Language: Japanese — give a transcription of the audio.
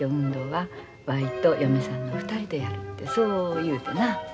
はわいと嫁さんの２人でやるてそう言うてな。